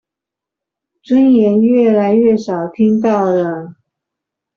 尊嚴越來越少聽到了